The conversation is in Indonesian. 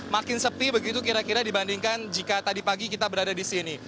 makin sepi begitu kira kira dibandingkan jika tadi pagi kita berada di sini